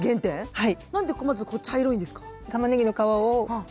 はい。